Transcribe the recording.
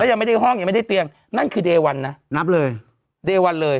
ยังไม่ได้ห้องยังไม่ได้เตียงนั่นคือเดวันนะนับเลยเดวันเลย